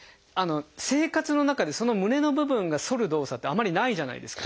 生活の中でその胸の部分が反る動作ってあまりないじゃないですか。